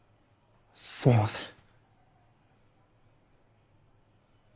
すみません。